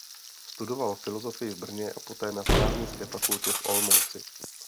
Studoval filosofii v Brně a poté na právnické fakultě v Olomouci.